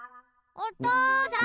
おとうさん！